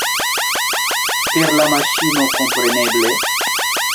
Per la maŝino, kompreneble?